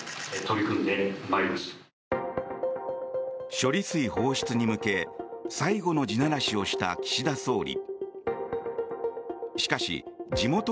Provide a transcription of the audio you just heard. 処理水放出に向け最後の地ならしをした岸田総理。